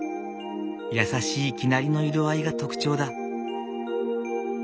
優しい生成りの色合いが特徴だ。